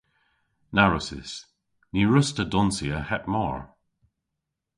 Na wrussys. Ny wruss'ta donsya heb mar!